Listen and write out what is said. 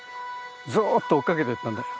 ずっと追っかけてったんだよ。